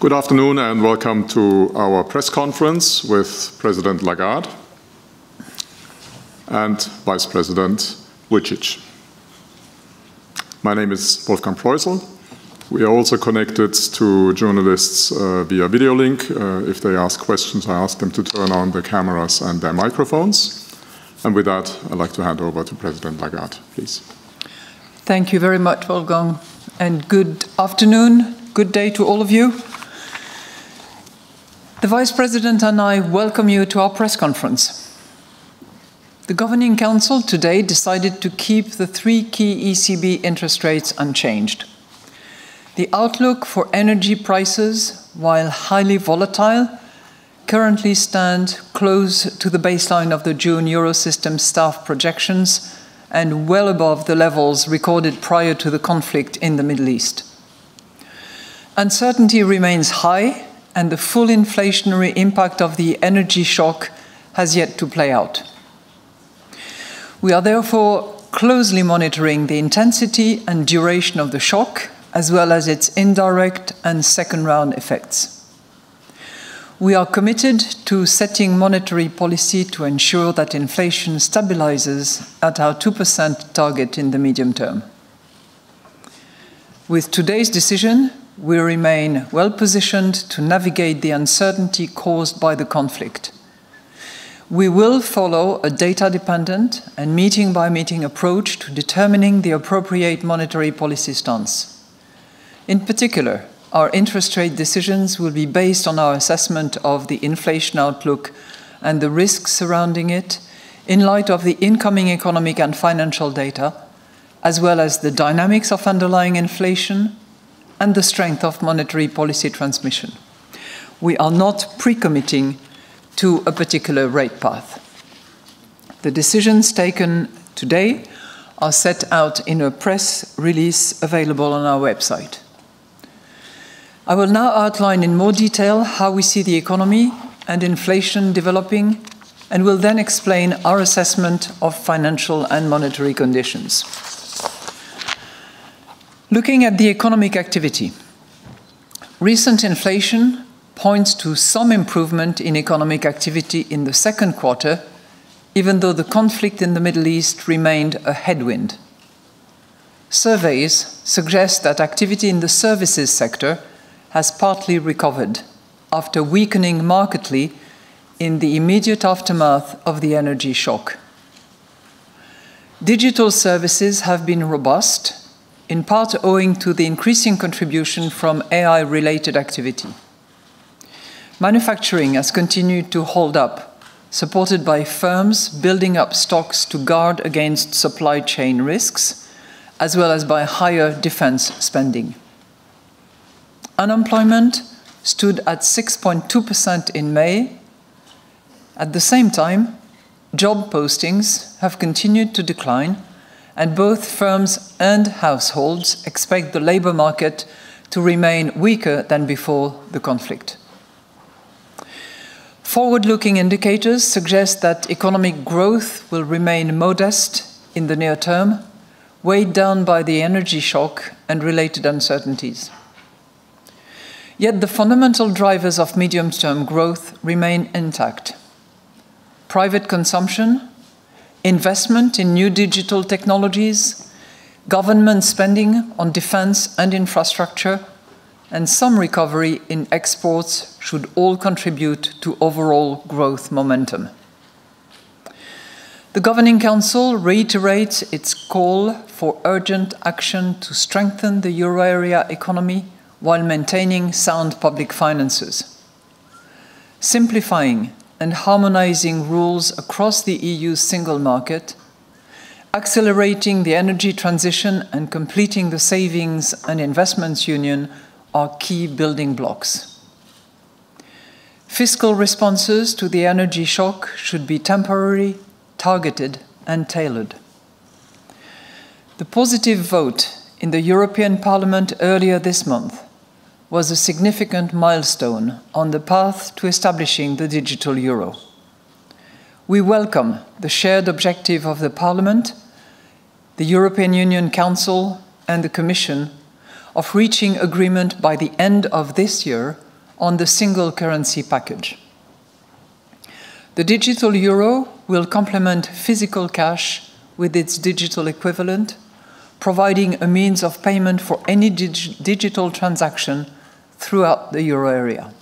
Good afternoon, welcome to our press conference with President Lagarde and Vice President Vujčić. My name is Wolfgang Proissl. We are also connected to journalists via video link. If they ask questions, I ask them to turn on their cameras and their microphones. With that, I'd like to hand over to President Lagarde, please. Thank you very much, Wolfgang, good afternoon. Good day to all of you. The Vice President and I welcome you to our press conference. The Governing Council today decided to keep the three key ECB interest rates unchanged. The outlook for energy prices, while highly volatile, currently stand close to the baseline of the June Eurosystem staff projections, well above the levels recorded prior to the conflict in the Middle East. Uncertainty remains high, the full inflationary impact of the energy shock has yet to play out. We are therefore closely monitoring the intensity and duration of the shock, as well as its indirect and second-round effects. We are committed to setting monetary policy to ensure that inflation stabilizes at our 2% target in the medium term. With today's decision, we remain well-positioned to navigate the uncertainty caused by the conflict. We will follow a data-dependent and meeting-by-meeting approach to determining the appropriate monetary policy stance. In particular, our interest rate decisions will be based on our assessment of the inflation outlook and the risks surrounding it in light of the incoming economic and financial data, as well as the dynamics of underlying inflation, and the strength of monetary policy transmission. We are not pre-committing to a particular rate path. The decisions taken today are set out in a press release available on our website. I will now outline in more detail how we see the economy and inflation developing, will then explain our assessment of financial and monetary conditions. Looking at the economic activity, recent inflation points to some improvement in economic activity in the second quarter, even though the conflict in the Middle East remained a headwind. Surveys suggest that activity in the services sector has partly recovered after weakening markedly in the immediate aftermath of the energy shock. Digital services have been robust, in part owing to the increasing contribution from AI-related activity. Manufacturing has continued to hold up, supported by firms building up stocks to guard against supply chain risks, as well as by higher defense spending. Unemployment stood at 6.2% in May. At the same time, job postings have continued to decline, both firms and households expect the labor market to remain weaker than before the conflict. Forward-looking indicators suggest that economic growth will remain modest in the near term, weighed down by the energy shock and related uncertainties. Yet the fundamental drivers of medium-term growth remain intact. Private consumption, investment in new digital technologies, government spending on defense and infrastructure, and some recovery in exports should all contribute to overall growth momentum. The Governing Council reiterates its call for urgent action to strengthen the euro area economy while maintaining sound public finances. Simplifying and harmonizing rules across the EU single market, accelerating the energy transition, and completing the Savings and Investments Union are key building blocks. Fiscal responses to the energy shock should be temporary, targeted, and tailored. The positive vote in the European Parliament earlier this month was a significant milestone on the path to establishing the digital euro. We welcome the shared objective of the Parliament, the European Union Council, and the Commission, of reaching agreement by the end of this year on the single currency package. The digital euro will complement physical cash with its digital equivalent, providing a means of payment for any digital transaction throughout the euro area.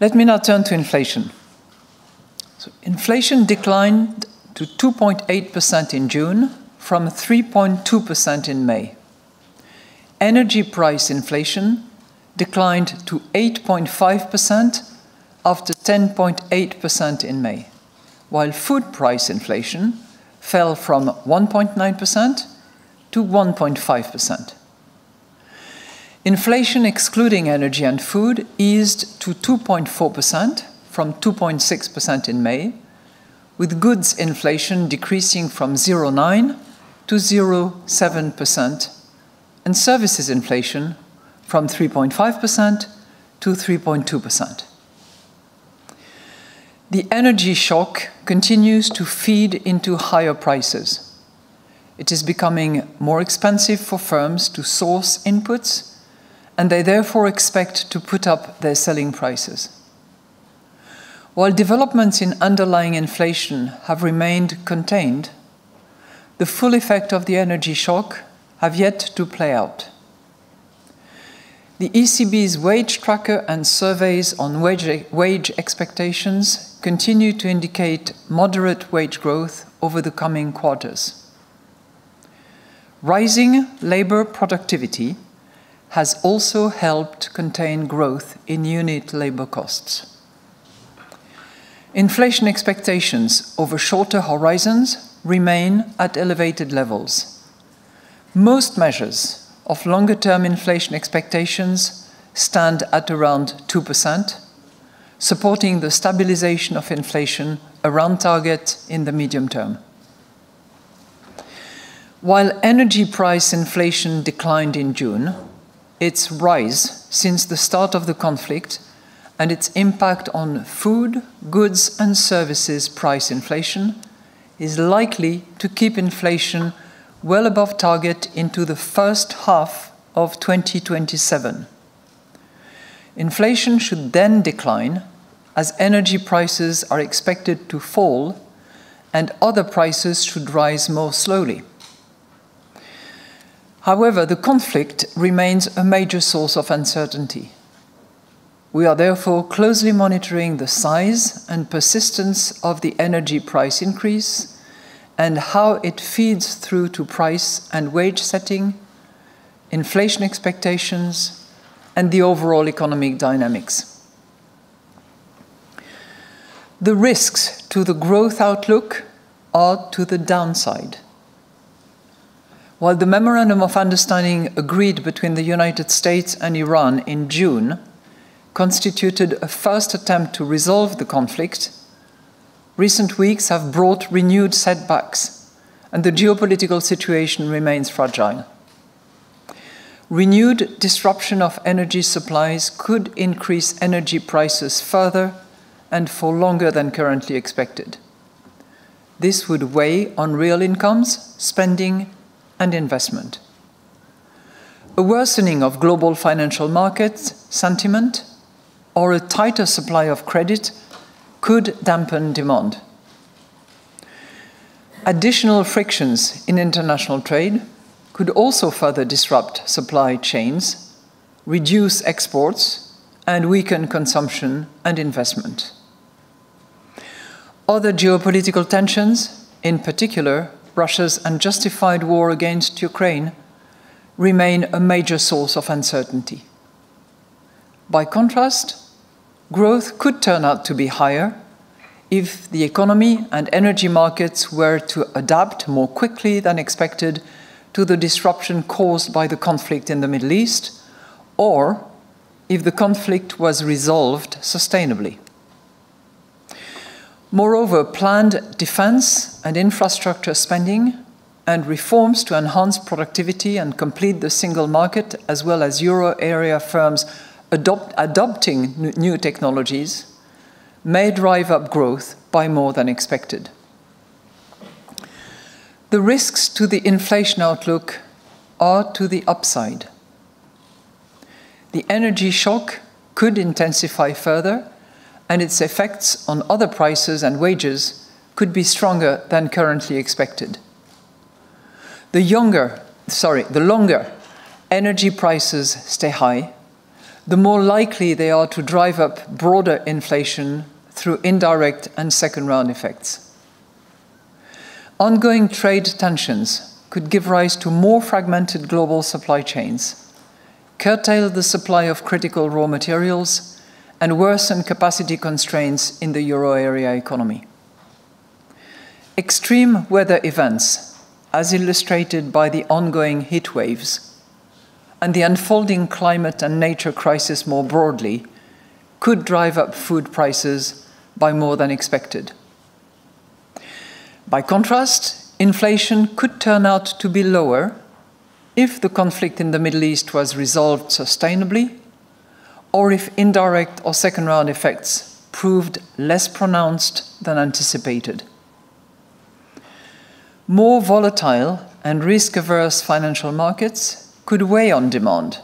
Let me now turn to inflation. Inflation declined to 2.8% in June from 3.2% in May. Energy price inflation declined to 8.5% after 10.8% in May, while food price inflation fell from 1.9%-1.5%. Inflation excluding energy and food eased to 2.4% from 2.6% in May, with goods inflation decreasing from 0.9%-0.7%, and services inflation from 3.5%-3.2%. The energy shock continues to feed into higher prices. It is becoming more expensive for firms to source inputs, and they therefore expect to put up their selling prices. While developments in underlying inflation have remained contained, the full effect of the energy shock have yet to play out. The ECB's wage tracker and surveys on wage expectations continue to indicate moderate wage growth over the coming quarters. Rising labor productivity has also helped contain growth in unit labor costs. Inflation expectations over shorter horizons remain at elevated levels. Most measures of longer-term inflation expectations stand at around 2%, supporting the stabilization of inflation around target in the medium term. While energy price inflation declined in June, its rise since the start of the conflict and its impact on food, goods, and services price inflation is likely to keep inflation well above target into the first half of 2027. Inflation should decline as energy prices are expected to fall, and other prices should rise more slowly. However, the conflict remains a major source of uncertainty. We are therefore closely monitoring the size and persistence of the energy price increase and how it feeds through to price and wage setting, inflation expectations, and the overall economic dynamics. The risks to the growth outlook are to the downside. While the memorandum of understanding agreed between the U.S. and Iran in June constituted a first attempt to resolve the conflict, recent weeks have brought renewed setbacks, and the geopolitical situation remains fragile. Renewed disruption of energy supplies could increase energy prices further and for longer than currently expected. This would weigh on real incomes, spending, and investment. A worsening of global financial markets sentiment or a tighter supply of credit could dampen demand. Additional frictions in international trade could also further disrupt supply chains, reduce exports, and weaken consumption and investment. Other geopolitical tensions, in particular, Russia's unjustified war against Ukraine, remain a major source of uncertainty. By contrast, growth could turn out to be higher if the economy and energy markets were to adapt more quickly than expected to the disruption caused by the conflict in the Middle East or if the conflict was resolved sustainably. Moreover, planned defense and infrastructure spending, and reforms to enhance productivity and complete the single market, as well as euro area firms adopting new technologies may drive up growth by more than expected. The risks to the inflation outlook are to the upside. The energy shock could intensify further, and its effects on other prices and wages could be stronger than currently expected. The longer energy prices stay high, the more likely they are to drive up broader inflation through indirect and second-round effects. Ongoing trade tensions could give rise to more fragmented global supply chains, curtail the supply of critical raw materials, and worsen capacity constraints in the euro area economy. Extreme weather events, as illustrated by the ongoing heatwaves, and the unfolding climate and nature crisis more broadly, could drive up food prices by more than expected. By contrast, inflation could turn out to be lower if the conflict in the Middle East was resolved sustainably or if indirect or second-round effects proved less pronounced than anticipated. More volatile and risk-averse financial markets could weigh on demand,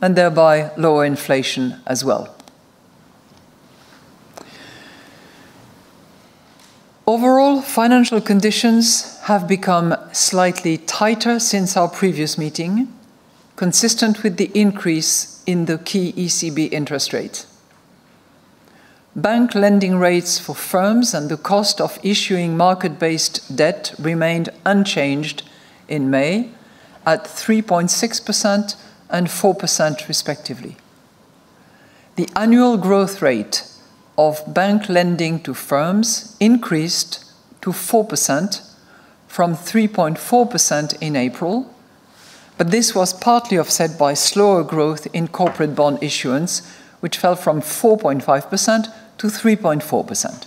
and thereby lower inflation as well. Overall, financial conditions have become slightly tighter since our previous meeting, consistent with the increase in the key ECB interest rate. Bank lending rates for firms and the cost of issuing market-based debt remained unchanged in May at 3.6% and 4%, respectively. The annual growth rate of bank lending to firms increased to 4% from 3.4% in April, but this was partly offset by slower growth in corporate bond issuance, which fell from 4.5%-3.4%.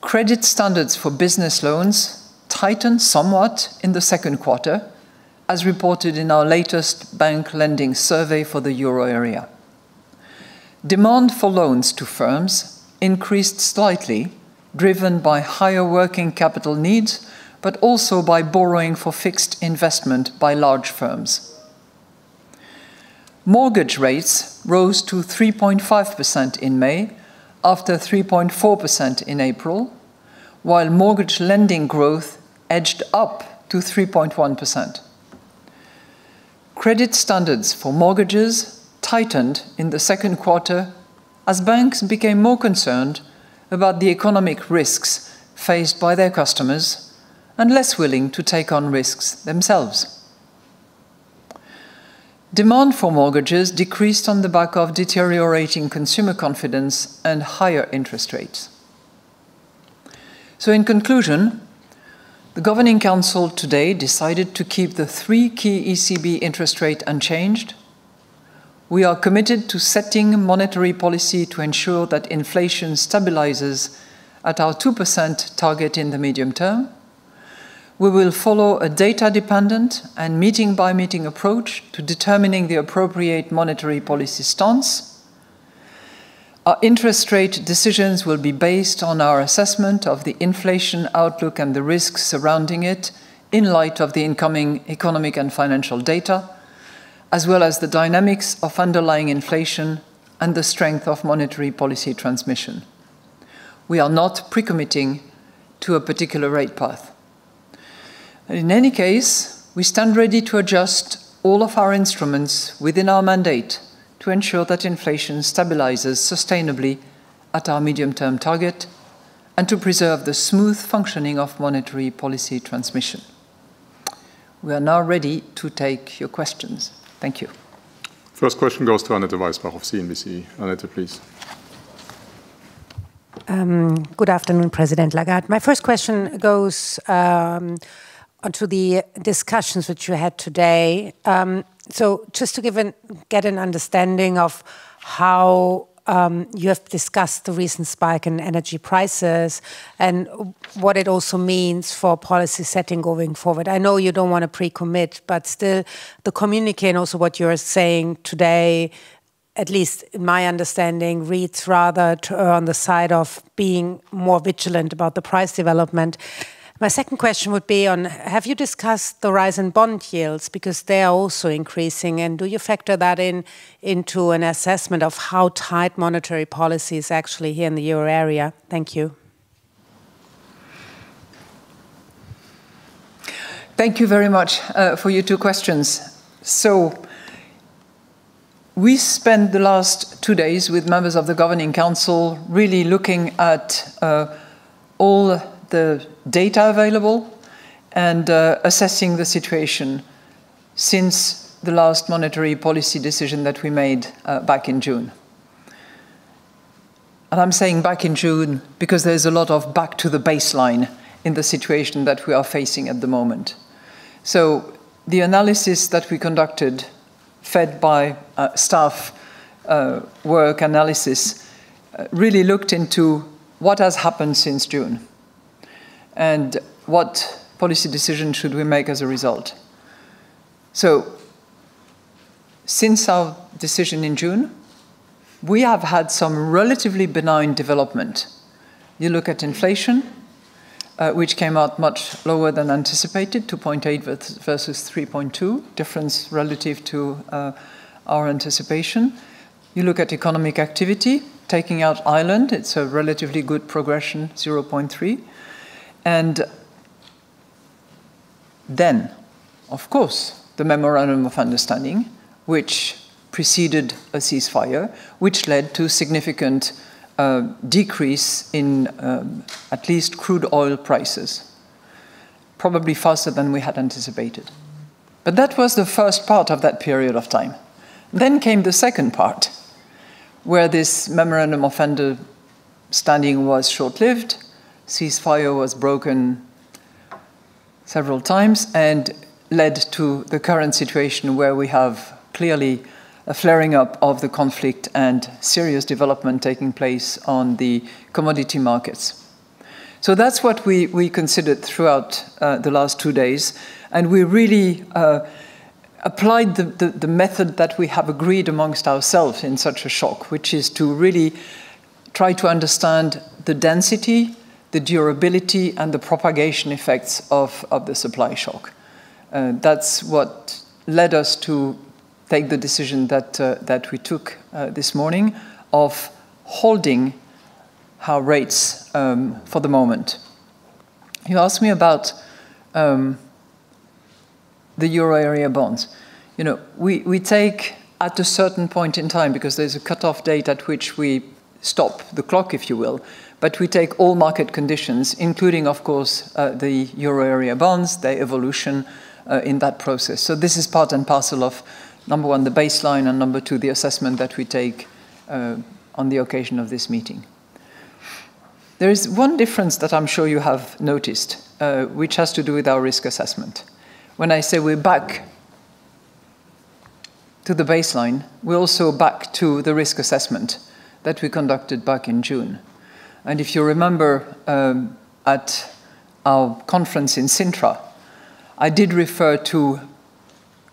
Credit standards for business loans tightened somewhat in the second quarter, as reported in our latest bank lending survey for the euro area. Demand for loans to firms increased slightly, driven by higher working capital needs, but also by borrowing for fixed investment by large firms. Mortgage rates rose to 3.5% in May after 3.4% in April, while mortgage lending growth edged up to 3.1%. Credit standards for mortgages tightened in the second quarter as banks became more concerned about the economic risks faced by their customers and less willing to take on risks themselves. Demand for mortgages decreased on the back of deteriorating consumer confidence and higher interest rates. In conclusion, the Governing Council today decided to keep the three key ECB interest rate unchanged. We are committed to setting monetary policy to ensure that inflation stabilizes at our 2% target in the medium term. We will follow a data-dependent and meeting-by-meeting approach to determining the appropriate monetary policy stance. Our interest rate decisions will be based on our assessment of the inflation outlook and the risks surrounding it in light of the incoming economic and financial data, as well as the dynamics of underlying inflation and the strength of monetary policy transmission. We are not pre-committing to a particular rate path. In any case, we stand ready to adjust all of our instruments within our mandate to ensure that inflation stabilizes sustainably at our medium-term target and to preserve the smooth functioning of monetary policy transmission. We are now ready to take your questions. Thank you. First question goes to Annette Weisbach of CNBC. Annette, please. Good afternoon, President Lagarde. Just to get an understanding of how you have discussed the recent spike in energy prices and what it also means for policy setting going forward. I know you don't want to pre-commit, still, the communique and also what you're saying today, at least in my understanding, reads rather on the side of being more vigilant about the price development. My second question would be on, have you discussed the rise in bond yields? They are also increasing, and do you factor that into an assessment of how tight monetary policy is actually here in the euro area? Thank you. Thank you very much for your two questions. We spent the last two days with members of the Governing Council really looking at all the data available and assessing the situation since the last monetary policy decision that we made back in June. I'm saying back in June because there's a lot of back to the baseline in the situation that we are facing at the moment. The analysis that we conducted, fed by staff work analysis, really looked into what has happened since June, and what policy decision should we make as a result. Since our decision in June, we have had some relatively benign development. You look at inflation, which came out much lower than anticipated, 2.8 versus 3.2, difference relative to our anticipation. You look at economic activity, taking out Ireland, it's a relatively good progression, 0.3. Of course, the Memorandum of Understanding, which preceded a ceasefire, which led to significant decrease in at least crude oil prices, probably faster than we had anticipated. That was the first part of that period of time. Came the second part, where this Memorandum of Understanding was short-lived. Ceasefire was broken several times and led to the current situation where we have clearly a flaring up of the conflict and serious development taking place on the commodity markets. That's what we considered throughout the last two days, and we really applied the method that we have agreed amongst ourselves in such a shock, which is to really try to understand the density, the durability, and the propagation effects of the supply shock. That's what led us to take the decision that we took this morning of holding our rates for the moment. You asked me about the euro area bonds. We take at a certain point in time, because there's a cutoff date at which we stop the clock, if you will, but we take all market conditions, including, of course, the euro area bonds, their evolution in that process. This is part and parcel of, number one, the baseline, and number two, the assessment that we take on the occasion of this meeting. There is one difference that I'm sure you have noticed, which has to do with our risk assessment. When I say we're back to the baseline, we're also back to the risk assessment that we conducted back in June. If you remember, at our conference in Sintra, I did refer to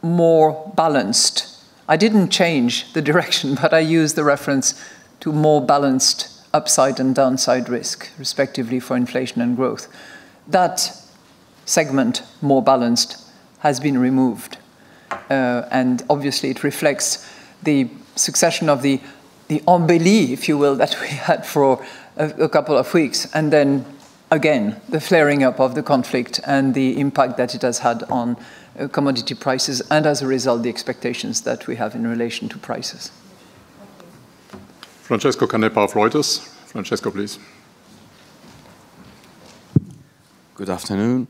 more balanced. I didn't change the direction, but I used the reference to more balanced upside and downside risk, respectively, for inflation and growth. That segment, more balanced, has been removed. Obviously it reflects the succession of the unbelief, if you will, that we had for a couple of weeks, and then again, the flaring up of the conflict and the impact that it has had on commodity prices, and as a result, the expectations that we have in relation to prices. Francesco Canepa of Reuters. Francesco, please. Good afternoon.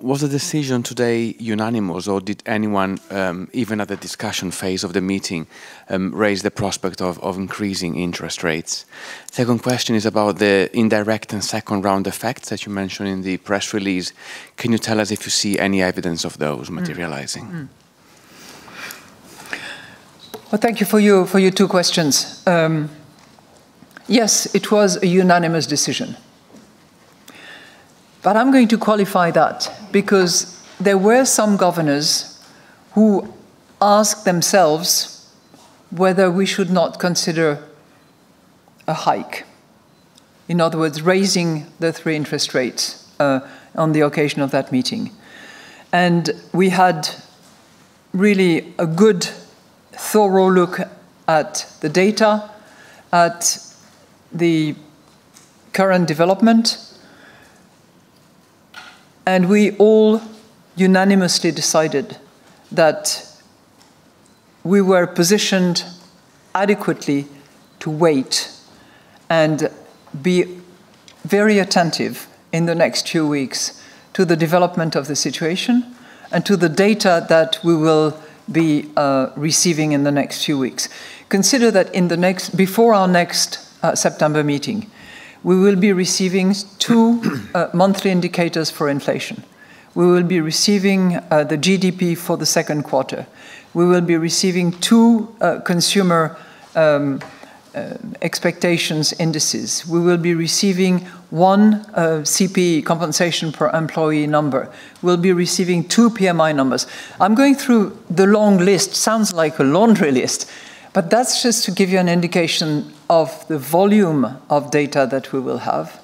Was the decision today unanimous, or did anyone, even at the discussion phase of the meeting, raise the prospect of increasing interest rates? Second question is about the indirect and second-round effects that you mentioned in the press release. Can you tell us if you see any evidence of those materializing? Thank you for your two questions. Yes, it was a unanimous decision. I am going to qualify that because there were some governors who asked themselves whether we should not consider a hike. In other words, raising the three interest rates on the occasion of that meeting. We had really a good thorough look at the data, at the current development, and we all unanimously decided that we were positioned adequately to wait and be very attentive in the next two weeks to the development of the situation and to the data that we will be receiving in the next two weeks. Consider that before our next September meeting, we will be receiving two monthly indicators for inflation. We will be receiving the GDP for the second quarter. We will be receiving two consumer expectations indices. We will be receiving one CPE, compensation per employee number. We will be receiving two PMI numbers. I am going through the long list, sounds like a laundry list, but that is just to give you an indication of the volume of data that we will have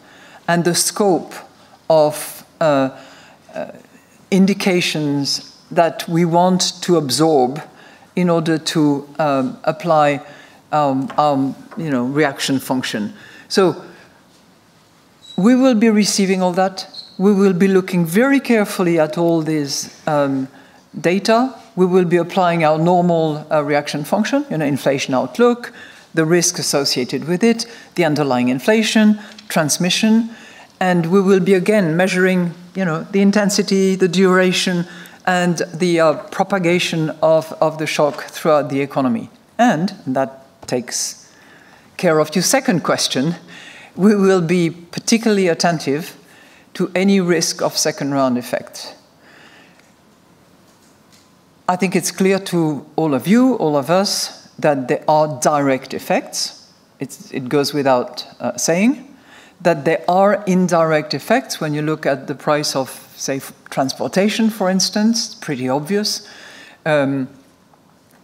and the scope of indications that we want to absorb in order to apply our reaction function. We will be receiving all that. We will be looking very carefully at all these data. We will be applying our normal reaction function, inflation outlook, the risk associated with it, the underlying inflation, transmission, and we will be again, measuring the intensity, the duration, and the propagation of the shock throughout the economy. That takes care of your second question. We will be particularly attentive to any risk of second-round effects. I think it is clear to all of you, all of us, that there are direct effects. It goes without saying that there are indirect effects when you look at the price of, say, transportation, for instance, pretty obvious.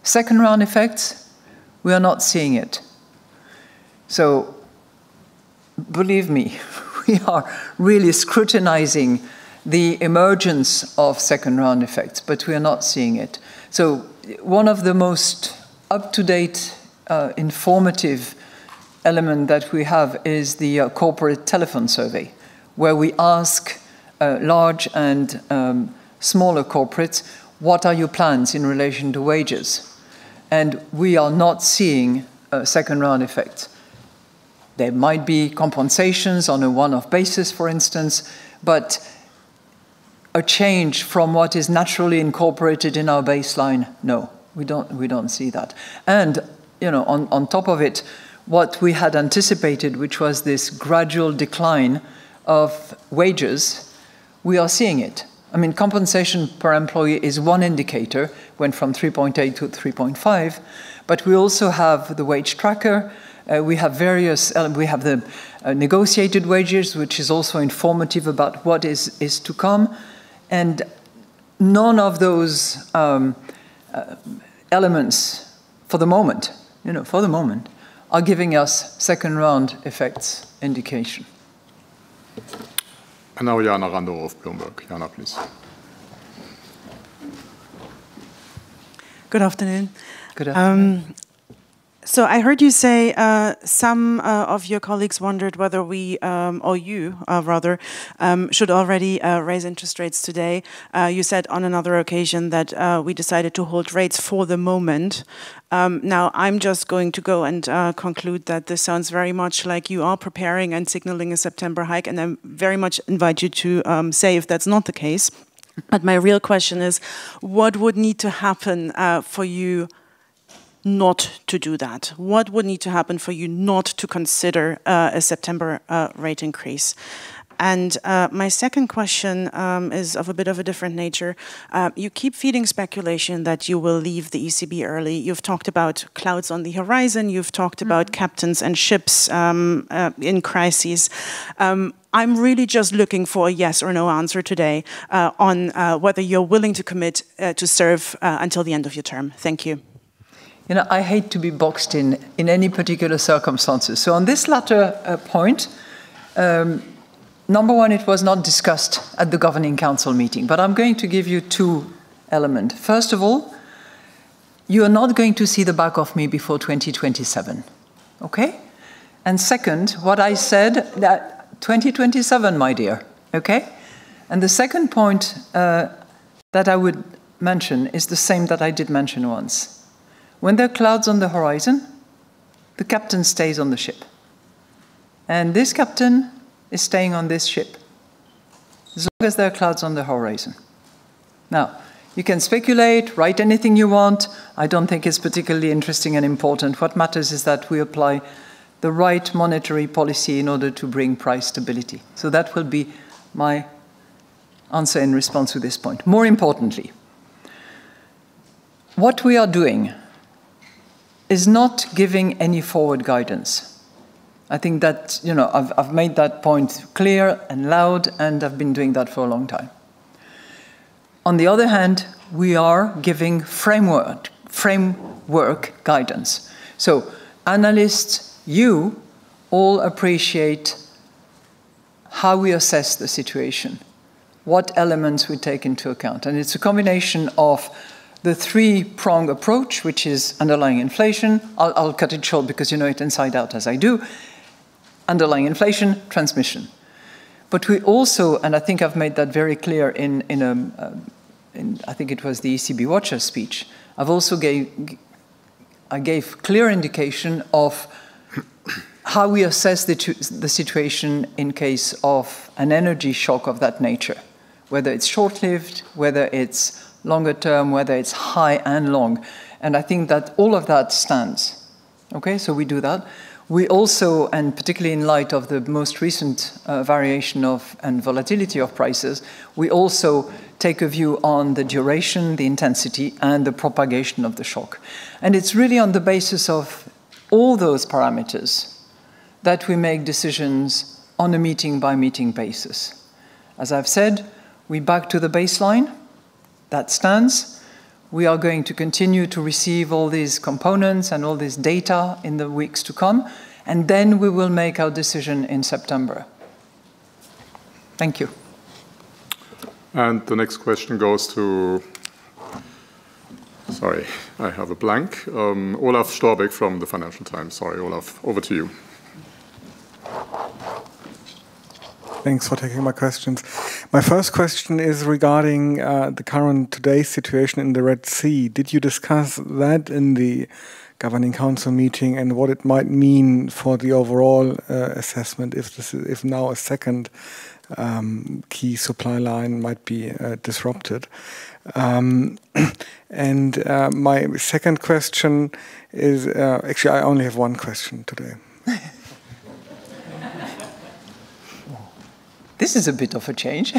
Second-round effects, we are not seeing it. Believe me, we are really scrutinizing the emergence of second-round effects, but we are not seeing it. One of the most up-to-date informative element that we have is the corporate telephone survey, where we ask large and smaller corporates, "What are your plans in relation to wages?" We are not seeing second-round effects. There might be compensations on a one-off basis, for instance, but a change from what is naturally incorporated in our baseline, no. We do not see that. On top of it, what we had anticipated, which was this gradual decline of wages, we are seeing it. Compensation per employee is one indicator, went from 3.8%-3.5%, but we also have the wage tracker. We have the negotiated wages, which is also informative about what is to come, and none of those elements for the moment are giving us second-round effects indication. Now Jana Randow of Bloomberg. Jana, please. Good afternoon. Good afternoon. I heard you say some of your colleagues wondered whether we, or you rather, should already raise interest rates today. You said on another occasion that we decided to hold rates for the moment. I'm just going to go and conclude that this sounds very much like you are preparing and signaling a September hike, and I very much invite you to say if that's not the case. My real question is, what would need to happen for you not to do that? What would need to happen for you not to consider a September rate increase? My second question is of a bit of a different nature. You keep feeding speculation that you will leave the ECB early. You've talked about clouds on the horizon. You've talked about captains and ships in crises. I'm really just looking for a yes or no answer today on whether you're willing to commit to serve until the end of your term. Thank you. I hate to be boxed in any particular circumstances. On this latter point, number one, it was not discussed at the Governing Council meeting. I'm going to give you two element. First of all, you are not going to see the back of me before 2027. Okay? Second, 2027, my dear. Okay? The second point that I would mention is the same that I did mention once. When there are clouds on the horizon, the captain stays on the ship. This captain is staying on this ship as long as there are clouds on the horizon. You can speculate, write anything you want. I don't think it's particularly interesting and important. What matters is that we apply the right monetary policy in order to bring price stability. That will be my answer in response to this point. More importantly, what we are doing is not giving any forward guidance. I've made that point clear and loud, and I've been doing that for a long time. On the other hand, we are giving framework guidance. Analysts, you, all appreciate how we assess the situation, what elements we take into account. It's a combination of the three-prong approach, which is underlying inflation, I'll cut it short because you know it inside out as I do. Underlying inflation, transmission. We also, I think I've made that very clear in, I think it was the ECB Watcher speech. I gave clear indication of how we assess the situation in case of an energy shock of that nature, whether it's short-lived, whether it's longer term, whether it's high and long. I think that all of that stands. Okay? We do that. We also, particularly in light of the most recent variation of, volatility of prices, we also take a view on the duration, the intensity, and the propagation of the shock. It's really on the basis of all those parameters that we make decisions on a meeting-by-meeting basis. As I've said, we're back to the baseline. That stands. We are going to continue to receive all these components and all this data in the weeks to come, we will make our decision in September. Thank you. The next question goes to Sorry, I have a blank. Olaf Storbeck from the Financial Times. Sorry, Olaf. Over to you. Thanks for taking my questions. My first question is regarding the current, today's situation in the Red Sea. Did you discuss that in the Governing Council meeting, and what it might mean for the overall assessment if now a second key supply line might be disrupted? My second question is, actually, I only have one question today. This is a bit of a change.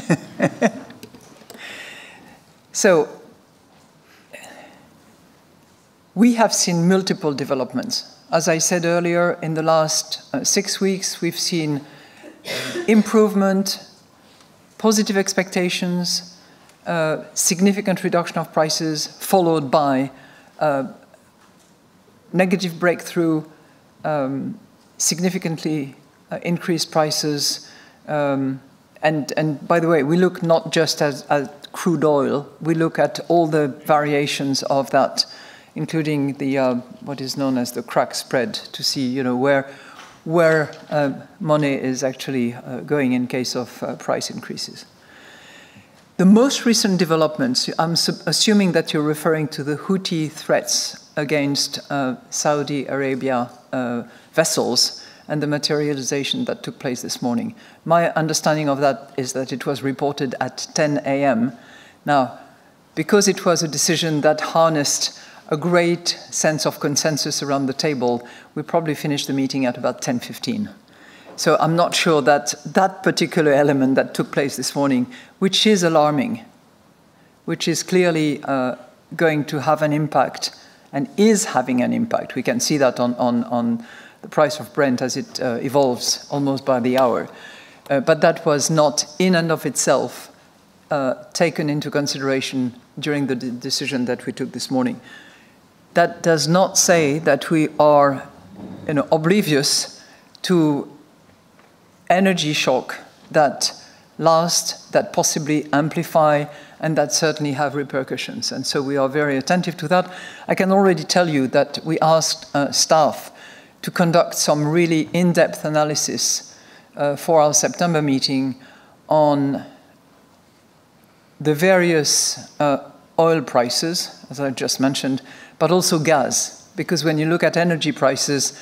We have seen multiple developments. As I said earlier, in the last six weeks, we've seen improvement, positive expectations, significant reduction of prices, followed by negative breakthrough, significantly increased prices. By the way, we look not just at crude oil, we look at all the variations of that, including what is known as the crack spread, to see where money is actually going in case of price increases. The most recent developments, I'm assuming that you're referring to the Houthi threats against Saudi Arabia vessels, and the materialization that took place this morning. My understanding of that is that it was reported at 10:00 A.M. Because it was a decision that harnessed a great sense of consensus around the table, we probably finished the meeting at about 10:15. I'm not sure that that particular element that took place this morning, which is alarming, which is clearly going to have an impact and is having an impact. We can see that on the price of Brent as it evolves almost by the hour. That was not in and of itself taken into consideration during the decision that we took this morning. That does not say that we are oblivious to energy shock that last, that possibly amplify, and that certainly have repercussions. We are very attentive to that. I can already tell you that we asked staff to conduct some really in-depth analysis for our September meeting on the various oil prices, as I just mentioned, but also gas. When you look at energy prices,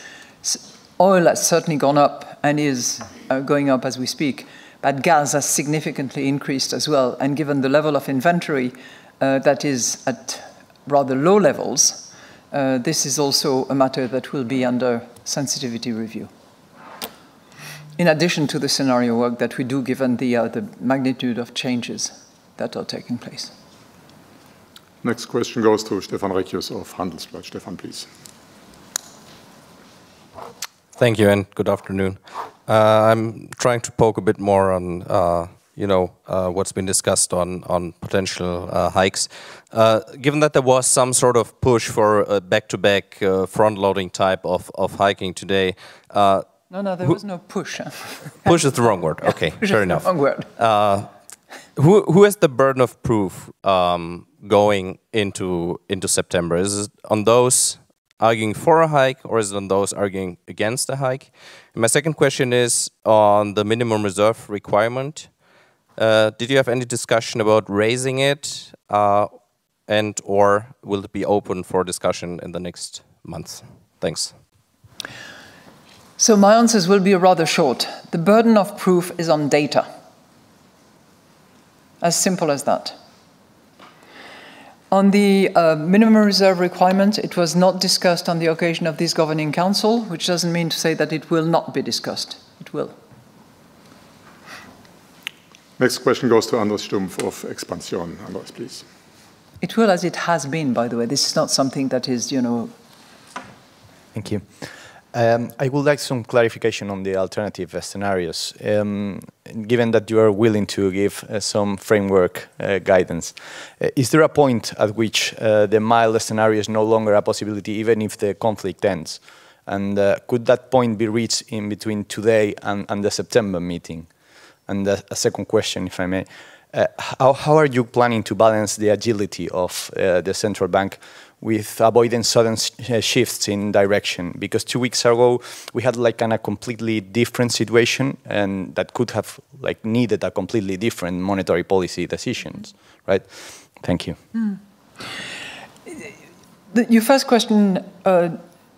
Oil has certainly gone up and is going up as we speak, but gas has significantly increased as well. Given the level of inventory that is at rather low levels, this is also a matter that will be under sensitivity review. In addition to the scenario work that we do, given the magnitude of changes that are taking place. Next question goes to Stefan Reccius of Handelsblatt. Stefan, please. Thank you. Good afternoon. I'm trying to poke a bit more on what's been discussed on potential hikes. Given that there was some sort of push for a back-to-back front-loading type of hiking today. No, there was no push Push is the wrong word. Okay, fair enough. Push is the wrong word. Who has the burden of proof going into September? Is it on those arguing for a hike or is it on those arguing against a hike? My second question is on the minimum reserve requirement. Did you have any discussion about raising it, and/or will it be open for discussion in the next months? Thanks. My answers will be rather short. The burden of proof is on data, as simple as that. On the minimum reserve requirement, it was not discussed on the occasion of this Governing Council, which doesn't mean to say that it will not be discussed. It will. Next question goes to Andrés Stumpf of Expansión. Andrés, please. It will, as it has been, by the way. This is not something that is, you know Thank you. I would like some clarification on the alternative scenarios, given that you are willing to give some framework guidance. Is there a point at which the mild scenario is no longer a possibility, even if the conflict ends? Could that point be reached in between today and the September meeting? A second question, if I may. How are you planning to balance the agility of the central bank with avoiding sudden shifts in direction? Because two weeks ago, we had a completely different situation, and that could have needed a completely different monetary policy decisions. Right? Thank you. Your first question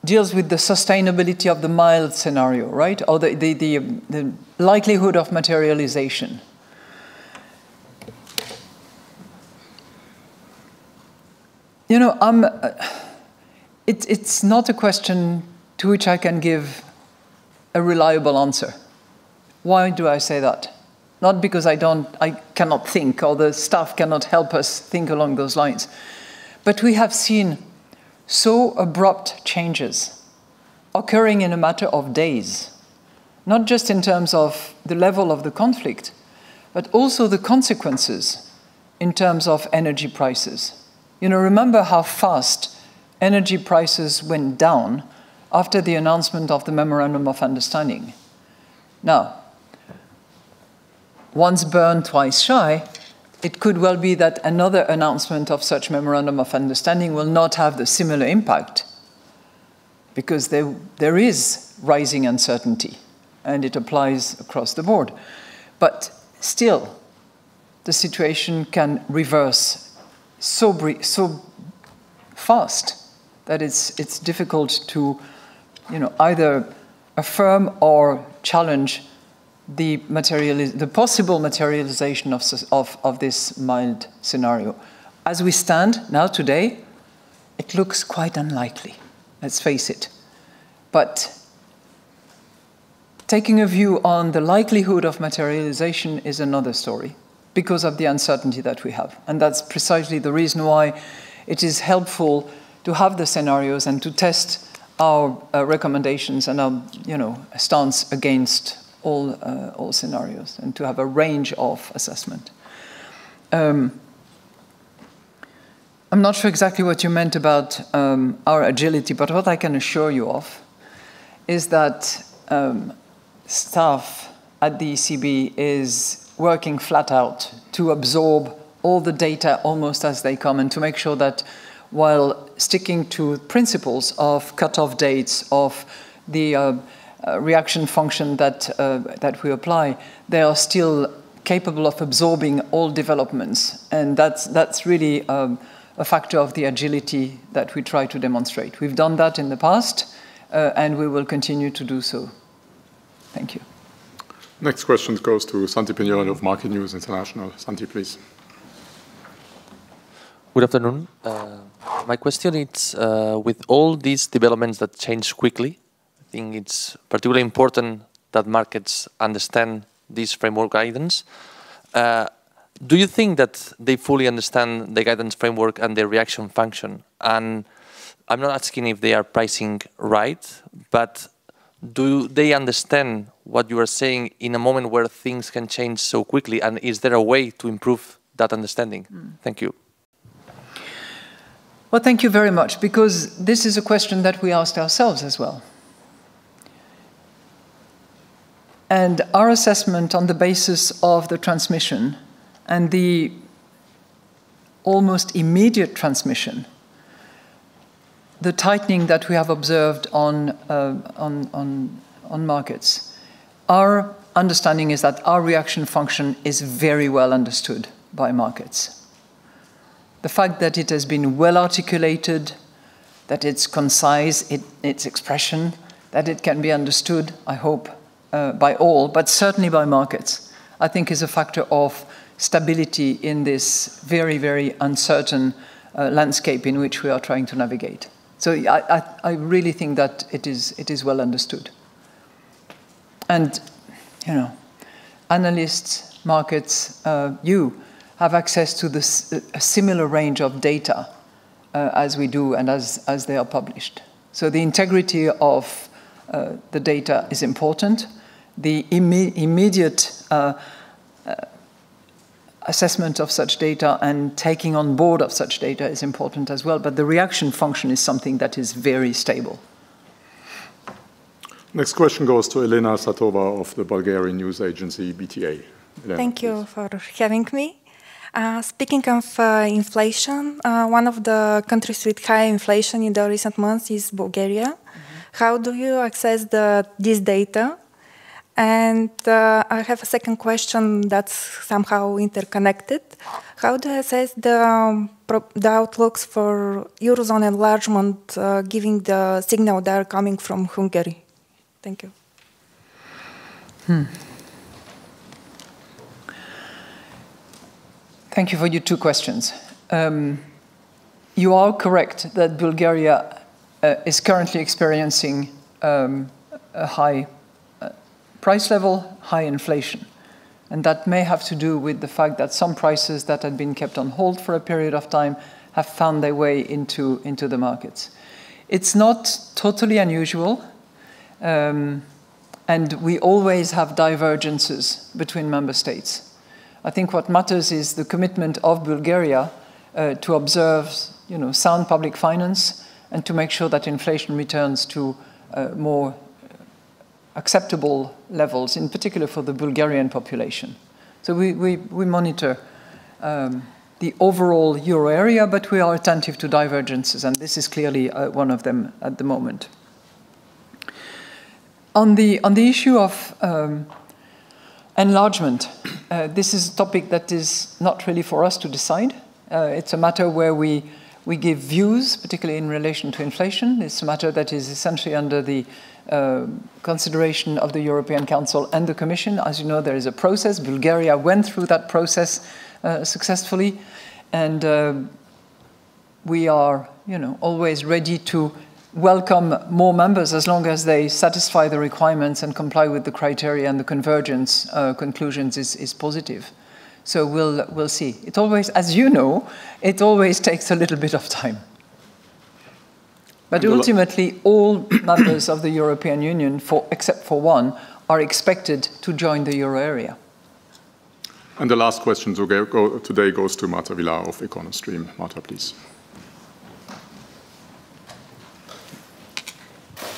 deals with the sustainability of the mild scenario, right? Or the likelihood of materialization. It's not a question to which I can give a reliable answer. Why do I say that? Not because I cannot think, or the staff cannot help us think along those lines, but we have seen so abrupt changes occurring in a matter of days, not just in terms of the level of the conflict, but also the consequences in terms of energy prices. Remember how fast energy prices went down after the announcement of the Memorandum of Understanding. Now, once burned, twice shy, it could well be that another announcement of such Memorandum of Understanding will not have the similar impact, because there is rising uncertainty, and it applies across the board. Still, the situation can reverse so fast that it's difficult to either affirm or challenge the possible materialization of this mild scenario. As we stand now today, it looks quite unlikely, let's face it. Taking a view on the likelihood of materialization is another story because of the uncertainty that we have. That's precisely the reason why it is helpful to have the scenarios and to test our recommendations and our stance against all scenarios and to have a range of assessment. I'm not sure exactly what you meant about our agility, but what I can assure you of is that staff at the ECB is working flat out to absorb all the data almost as they come, and to make sure that while sticking to principles of cutoff dates, of the reaction function that we apply, they are still capable of absorbing all developments. That's really a factor of the agility that we try to demonstrate. We've done that in the past, and we will continue to do so. Thank you. Next question goes to Santi Piñol of Market News International. Santi, please. Good afternoon. My question, it's with all these developments that change quickly, I think it's particularly important that markets understand this framework guidance. Do you think that they fully understand the guidance framework and the reaction function? I'm not asking if they are pricing right, but do they understand what you are saying in a moment where things can change so quickly, and is there a way to improve that understanding? Thank you. Thank you very much, because this is a question that we asked ourselves as well. Our assessment on the basis of the transmission and the almost immediate transmission, the tightening that we have observed on markets, our understanding is that our reaction function is very well understood by markets. The fact that it has been well-articulated, that it's concise in its expression, that it can be understood, I hope by all, but certainly by markets, I think is a factor of stability in this very uncertain landscape in which we are trying to navigate. I really think that it is well understood. Analysts, markets, you have access to a similar range of data as we do and as they are published. The integrity of the data is important. The immediate assessment of such data and taking on Board of such data is important as well. The reaction function is something that is very stable. Next question goes to Elena Savova of the Bulgarian News Agency, BTA. Elena, please. Thank you for having me. Speaking of inflation, one of the countries with high inflation in the recent months is Bulgaria. How do you access this data? I have a second question that's somehow interconnected. How do you assess the outlooks for Eurozone enlargement giving the signal that are coming from Hungary? Thank you. Thank you for your two questions. You are correct that Bulgaria is currently experiencing a high price level, high inflation. That may have to do with the fact that some prices that had been kept on hold for a period of time have found their way into the markets. It's not totally unusual, and we always have divergences between member states. I think what matters is the commitment of Bulgaria to observe sound public finance and to make sure that inflation returns to more acceptable levels, in particular for the Bulgarian population. We monitor the overall euro area, but we are attentive to divergences, and this is clearly one of them at the moment. On the issue of enlargement, this is a topic that is not really for us to decide. It's a matter where we give views, particularly in relation to inflation. It's a matter that is essentially under the consideration of the European Council and the Commission. As you know, there is a process. Bulgaria went through that process successfully, and we are always ready to welcome more members as long as they satisfy the requirements and comply with the criteria and the convergence conclusions is positive. We'll see. As you know, it always takes a little bit of time. Ultimately, all members of the European Union, except for one, are expected to join the euro area. The last question today goes to Marta Vilar of Econostream. Marta, please.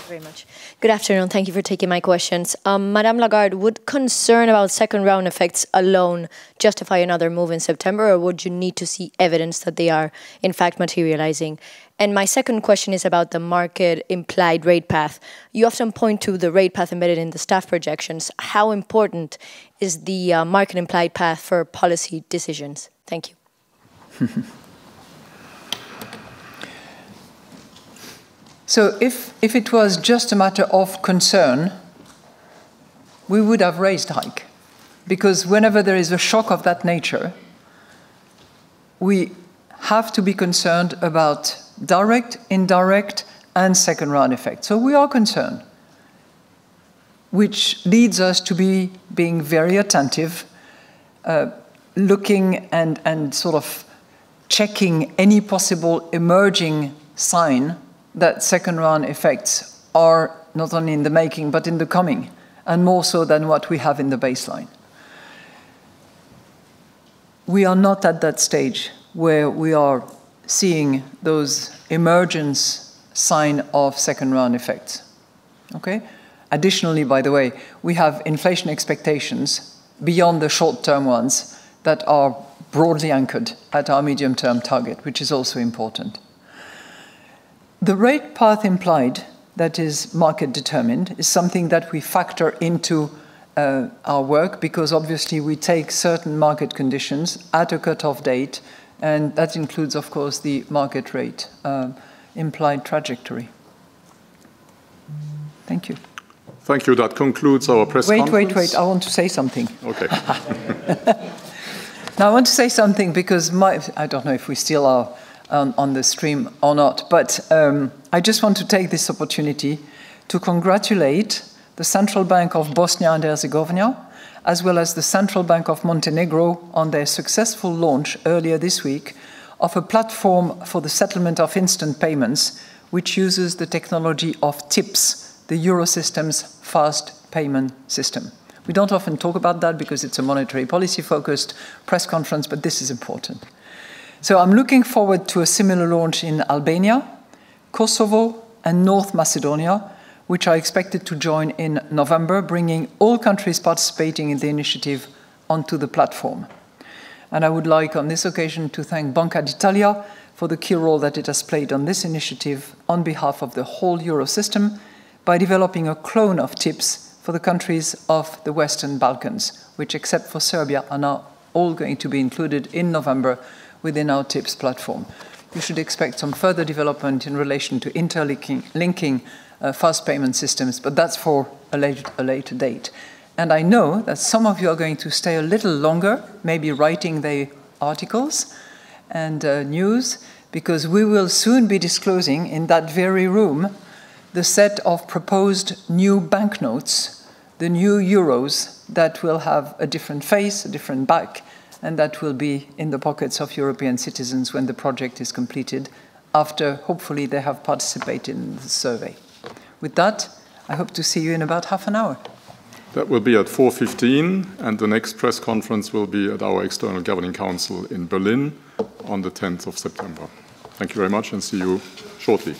Thank you very much. Good afternoon. Thank you for taking my questions. Madame Lagarde, would concern about second-round effects alone justify another move in September, or would you need to see evidence that they are, in fact, materializing? My second question is about the market-implied rate path. You often point to the rate path embedded in the staff projections. How important is the market-implied path for policy decisions? Thank you. If it was just a matter of concern, we would have raised a hike, because whenever there is a shock of that nature, we have to be concerned about direct, indirect, and second-round effects. We are concerned, which leads us to being very attentive, looking and sort of checking any possible emerging sign that second-round effects are not only in the making but in the coming, and more so than what we have in the baseline. We are not at that stage where we are seeing those emergence sign of second-round effects. Okay. Additionally, by the way, we have inflation expectations beyond the short-term ones that are broadly anchored at our medium-term target, which is also important. The rate path implied that is market determined is something that we factor into our work because obviously we take certain market conditions at a cut-off date, and that includes, of course, the market rate implied trajectory. Thank you. Thank you. That concludes our press conference. Wait. I want to say something. Okay. I want to say something because I don't know if we still are on the stream or not, but I just want to take this opportunity to congratulate the Central Bank of Bosnia and Herzegovina, as well as the Central Bank of Montenegro on their successful launch earlier this week of a platform for the settlement of instant payments, which uses the technology of TIPS, the Eurosystem's fast payment system. We don't often talk about that because it's a monetary policy-focused press conference, but this is important. I'm looking forward to a similar launch in Albania, Kosovo, and North Macedonia, which are expected to join in November, bringing all countries participating in the initiative onto the platform. I would like on this occasion to thank Banca d'Italia for the key role that it has played on this initiative on behalf of the whole Eurosystem by developing a clone of TIPS for the countries of the Western Balkans, which except for Serbia, are now all going to be included in November within our TIPS platform. You should expect some further development in relation to interlinking fast payment systems, but that's for a later date. I know that some of you are going to stay a little longer, maybe writing the articles and news, because we will soon be disclosing in that very room the set of proposed new banknotes, the new euros that will have a different face, a different back, and that will be in the pockets of European citizens when the project is completed after hopefully they have participated in the survey. With that, I hope to see you in about half an hour. That will be at 4:15. The next press conference will be at our external Governing Council in Berlin on September 10th. Thank you very much and see you shortly.